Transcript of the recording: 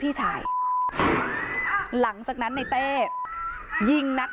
มีชายแปลกหน้า๓คนผ่านมาทำทีเป็นช่วยค่างทาง